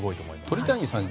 鳥谷さん